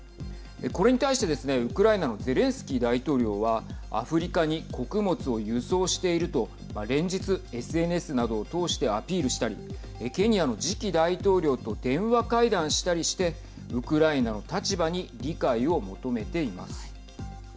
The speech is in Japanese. これに対してですねウクライナのゼレンスキー大統領はアフリカに穀物を輸送していると連日、ＳＮＳなどを通してアピールしたりケニアの次期大統領と電話会談したりしてウクライナの立場に理解を求めています。